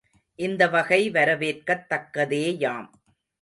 இந்த வகை வரவேற்கத் தக்கதேயாம்.